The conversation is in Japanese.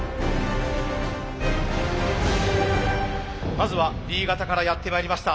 まずは新潟からやってまいりました